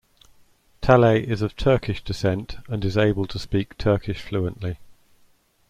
Talay is of Turkish descent, and is able to speak Turkish fluently.